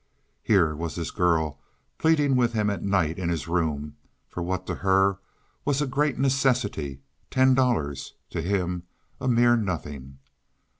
Here was this girl pleading with him at night, in his room, for what to her was a great necessity—ten dollars; to him, a mere nothing.